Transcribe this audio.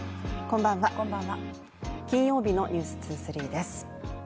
こんばんは、金曜日の「ｎｅｗｓ２３」です。